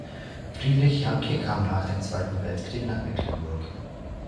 Friedrich Janke kam nach dem Zweiten Weltkrieg nach Mecklenburg.